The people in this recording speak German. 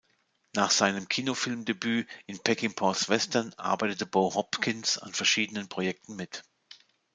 Nach seinem Kinofilmdebüt in Peckinpahs Western arbeitete Bo Hopkins an verschiedenen Projekten mit.